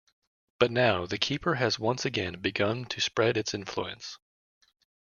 But now, the Keeper has once again begun to spread its influence.